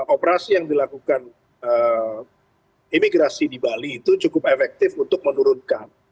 operasi yang dilakukan imigrasi di bali itu cukup efektif untuk menurunkan